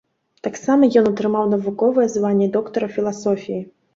Таксама ён атрымаў навуковае званне доктара філасофіі.